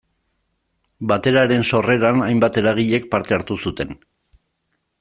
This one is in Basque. Bateraren sorreran hainbat eragilek parte hartu zuten.